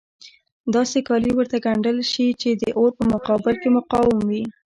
داسې کالي ورته ګنډل شي چې د اور په مقابل کې مقاوم وي.